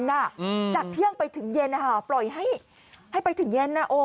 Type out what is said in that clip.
จากเที่ยงไปถึงเย็นปล่อยให้ไปถึงเย็น